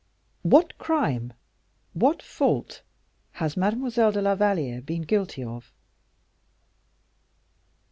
What crime, what fault has Mademoiselle de la Valliere been guilty of?"